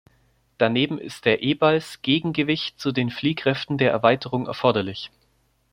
Daneben ist der Ebals Gegengewicht zu den Fliehkräften der Erweiterung erforderlich.